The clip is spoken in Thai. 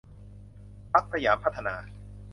พรรคสยามพัฒนา